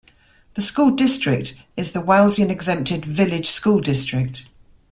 The school district is the Wauseon Exempted Village School District.